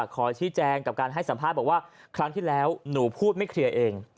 ขอชี้แจงกับการให้สัมภาษณ์บอกว่าครั้งที่แล้วหนูพูดไม่เคลียร์เอง